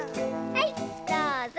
はいどうぞ。